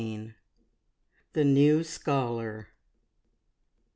THE NEW SCHOLAR.